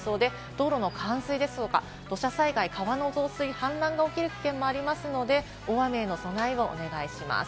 道路の冠水や土砂災害、川の増水、氾濫が起きる危険もあるので、大雨への備えをお願いします。